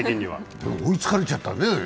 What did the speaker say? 追いつかれちゃったね。